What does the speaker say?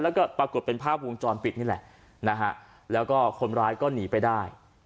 แล้วก็ปรากฏเป็นภาพวงจรปิดนี่แหละนะฮะแล้วก็คนร้ายก็หนีไปได้